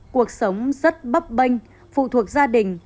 cuộc sống rất bấp bênh phụ thuộc gia đình